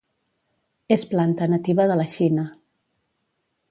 És planta nativa de la Xina.